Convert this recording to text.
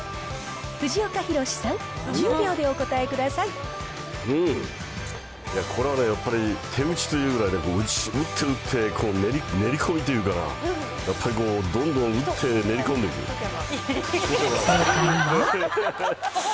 藤岡弘、さん、１０秒でお答えくいや、これはね、やっぱり手打ちというぐらいだから、打って打って練り込みというかな、やっぱりこう、どんどん打って正解は。